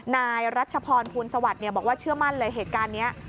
นายรัชพรภูลสวัสดิ์บอกว่าเชื่อมั่นเลยเหตุการณ์นี้